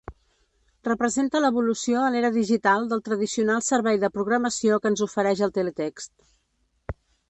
Representa l'evolució a l'era digital del tradicional servei de programació que ens ofereix el teletext.